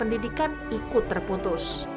pendidikan ikut terputus